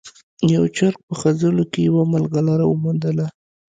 یو چرګ په خځلو کې یوه ملغلره وموندله.